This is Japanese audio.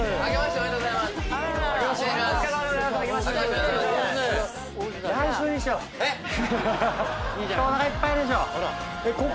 おなかいっぱいでしょ。